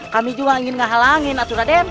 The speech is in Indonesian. kami juga ingin menghalangi matu raden